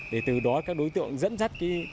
để từ đó các đối tượng dẫn dắt